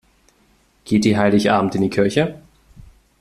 Geht ihr Heiligabend in die Kirche?